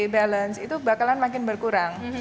balance itu bakalan makin berkurang